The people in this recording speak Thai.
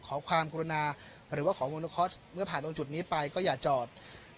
ขอความกรุณาหรือว่าขอโมโนคอร์สเมื่อผ่านตรงจุดนี้ไปก็อย่าจอด